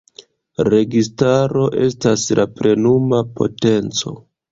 Registaro estas la plenuma potenco.